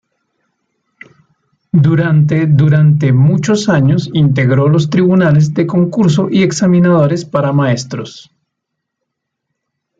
Durante durante muchos años integró los tribunales de concurso y examinadores para maestros.